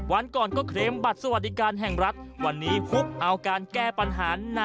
วันก่อนก็เคลมบัตรสวัสดิการแห่งรัฐ